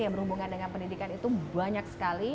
yang berhubungan dengan pendidikan itu banyak sekali